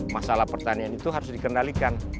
masalah pertanian itu harus dikendalikan